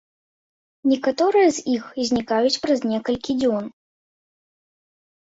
Некаторыя з іх знікаюць праз некалькі дзён.